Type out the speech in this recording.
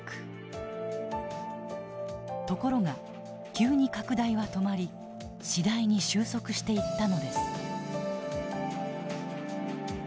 ところが急に拡大は止まり次第に終息していったのです。